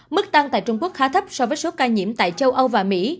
mức tăng tại trung quốc khá thấp so với số ca nhiễm tại châu âu và mỹ